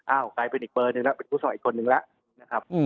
กลายเป็นอีกเบอร์หนึ่งแล้วเป็นผู้สมัครอีกคนนึงแล้วนะครับ